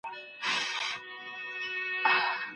څوک کولای سي د دې کيسې تحليل وکړي؟